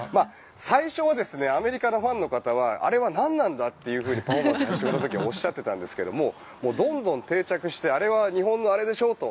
最初はアメリカのファンの方はあれは何なんだとパフォーマンスがされた時思ったそうなんですがどんどん定着してあれは日本のあれでしょうと。